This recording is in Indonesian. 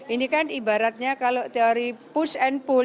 ini kan ibaratnya kalau teori push and pull